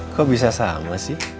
kok bisa sama sih